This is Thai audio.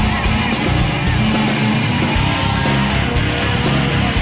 หมวกปีกดีกว่าหมวกปีกดีกว่า